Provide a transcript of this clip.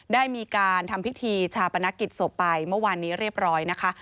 ได้มีการทำพิธีชาปนกิจศพไปเมื่อวานนี้เรียบร้อยนะคะ